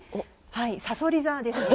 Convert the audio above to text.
さそり座ですね。